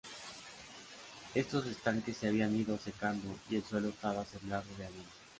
Estos estanques se habían ido secando y el suelo estaba sembrado de avena.